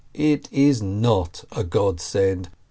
It is not a God send